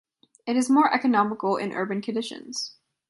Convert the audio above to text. It is more economical in urban conditions.